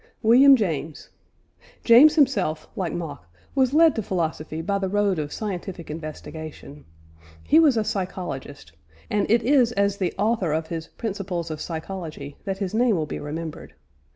WILLIAM JAMES. James himself, like Mach, was led to philosophy by the road of scientific investigation. He was a psychologist, and it is as the author of his Principles of Psychology that his name will be remembered.